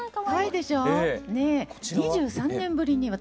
２３年ぶりに私